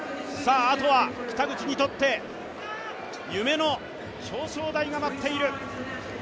あとは北口にとって夢の表彰台が待っている。